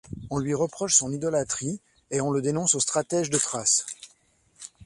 On lui reproche son idolâtrie et on le dénonce au stratège de Thrace.